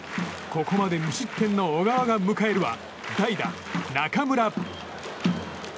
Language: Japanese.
ここまで無失点の小川が迎えるは代打、中村。